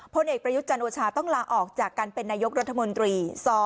พลเอกประยุทธ์จันโอชาต้องลาออกจากการเป็นนายกรัฐมนตรี